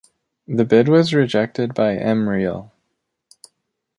The bid was rejected by M-real.